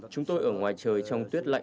chúng tôi ở ngoài trời trong tuyết lạnh